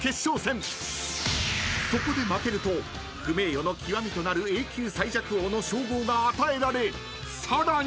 ［そこで負けると不名誉の極となる永久最弱王の称号が与えられさらに］